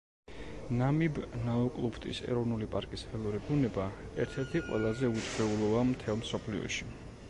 ნამიბ-ნაუკლუფტის ეროვნული პარკის ველური ბუნება ერთ-ერთი ყველაზე უჩვეულოა მთელ მსოფლიოში.